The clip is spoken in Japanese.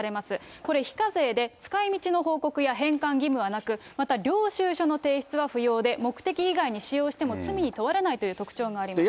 これ、非課税で使いみちの報告や返還義務はなく、また領収書の提出は不要で、目的以外に使用しても罪に問われないという特徴があります。